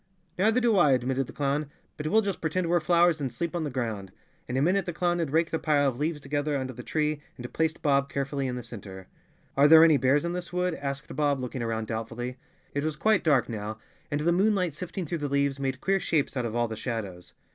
"Neither do I," admitted the clown, "but we'll just pretend we're flowers, and sleep on the ground." In a minute the clown had raked a pile of leaves together under the tree and placed Bob carefully in the center. "Are there any bears in this wood?" asked Bob, look¬ ing around doubtfully. It was quite dark now, and the moonlight sifting through the leaves made queer shapes out of all the shadows.